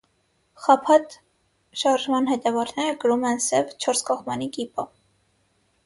«Խաբաթ» շարժման հետևորդները կրում են սև չորսկողմանի կիպա։